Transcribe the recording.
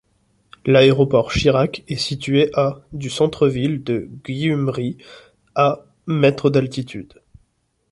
L'aéroport Shirak est situé à du centre-ville de Gyumri, à mètres d'altitude.